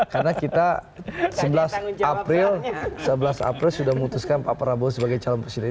karena kita sebelas april sudah memutuskan pak prabowo sebagai calon presiden